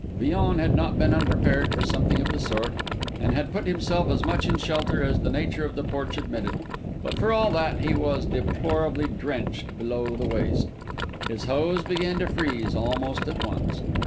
Villon had not been unprepared for something of the sort, and had put himself as much in shelter as the nature of the porch admitted; but for all that, he was deplorably drenched below the waist. His hose began to freeze almost at once.